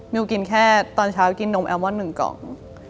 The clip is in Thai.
มิวกินแค่ตอนเช้ากินนมแอลมอนด์หนึ่งกล่อง